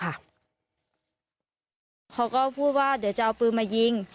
เธอเล่าค่ะเขาก็พูดว่าเดี๋ยวจะเอาปืนมายิง